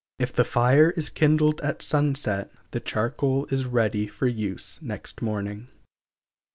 If the fire is kindled at sunset, the charcoal is ready for use next morning.